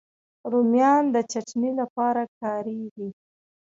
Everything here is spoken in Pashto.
رومیان د چټني لپاره کارېږي